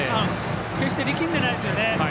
決して、力んでないですよね。